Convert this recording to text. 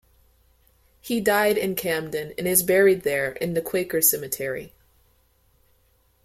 He died in Camden and is buried there in the Quaker Cemetery.